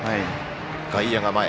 外野は前。